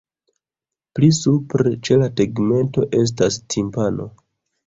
Pli supre ĉe la tegmento estas timpano.